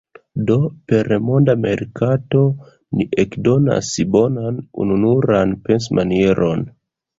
Do, per monda merkato, ni ekdonas bonan, ununuran pensmanieron.